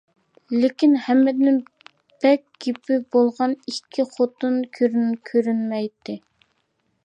لېكىن ھەممىدىن بەك گېپى بولغان ئىككى «خوتۇن» كۆرۈنمەيتتى.